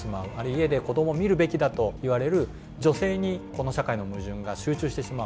家でこども見るべきだと言われる女性にこの社会の矛盾が集中してしまう。